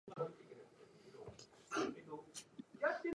ドアはきっちりと閉まっていて、誰も出てきそうもなかった